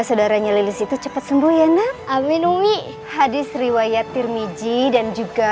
saudaranya lili situ cepet sembuh ya nak amin umi hadits riwayat tirmidji dan juga